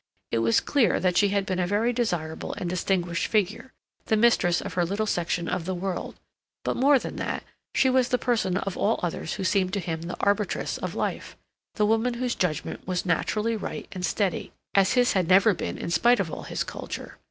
It was clear that she had been a very desirable and distinguished figure, the mistress of her little section of the world; but more than that, she was the person of all others who seemed to him the arbitress of life, the woman whose judgment was naturally right and steady, as his had never been in spite of all his culture.